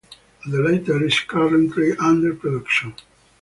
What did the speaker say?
The later is currently under production.